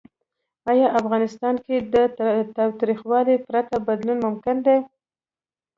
آیا افغانستان کې له تاوتریخوالي پرته بدلون ممکن دی؟